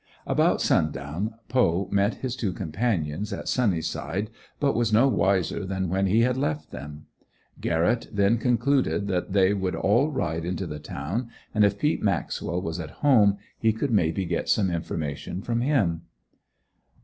About sundown Poe met his two companions, at Sunny side, but was no wiser than when he had left them. Garrett then concluded that they would all ride into the town and if Peet Maxwell was at home he could maybe get some information from him.